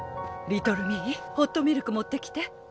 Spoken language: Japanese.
リトルミイホットミルク持ってきて。